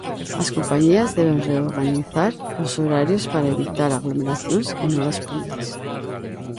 As compañías deben reorganizar os horarios para evitar aglomeracións en horas puntas.